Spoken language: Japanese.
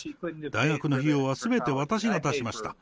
大学の費用はすべて私が出しました。